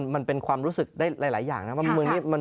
มันเป็นความรู้สึกได้หลายอย่างนะ